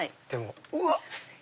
うわっ！